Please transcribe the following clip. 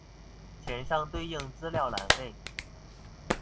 填上對應資料欄位